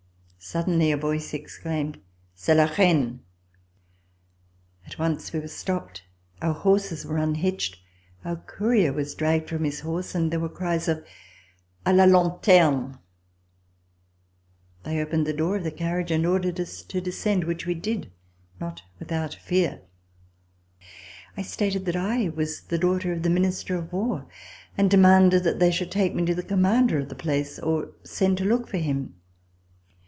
Suddenly a voice exclaimed: "C'est la Reine!" At once we were stopped, our horses were unhitched, our courier was dragged from his horse, and there were cries of "A la lanterne!" They opened the door of the carriage and ordered us to descend, which we did, not without fear. I stated that I was the daughter of the Minister of War and demanded that they should take me to the commander of the place or send to look for him.